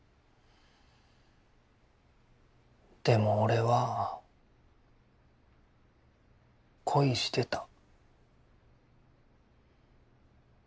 でも俺は恋してた。